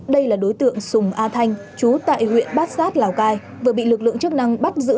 đây là đối tượng sùng a thanh chú tại huyện bát sát lào cai vừa bị lực lượng chức năng bắt giữ